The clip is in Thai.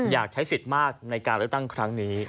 อยากใช้สิทธิ์มากในการเลือกตั้งครั้งนี้